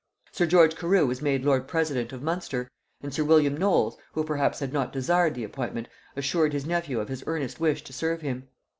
Sir George Carew was made lord president of Munster; and sir William Knolles, who perhaps had not desired the appointment, assured his nephew of his earnest wish to serve him.